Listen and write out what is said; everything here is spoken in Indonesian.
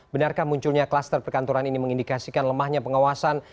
benarkah munculnya kluster perkantoran ini mengindikasikan lemahnya pengawasan